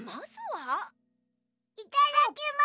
いただきます。